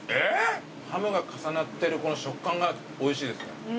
ハムが重なってるこの食感がおいしいです。